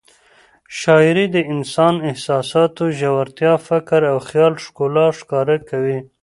شاعري د انساني احساساتو ژورتیا، فکر او خیال ښکلا ښکاره کوي.